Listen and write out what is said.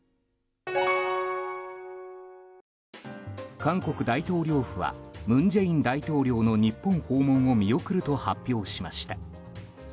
韓国大統領府は文在寅大統領の日本訪問を見送るとしました。